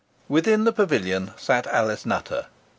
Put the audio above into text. Within the pavilion sat Alice Nutter.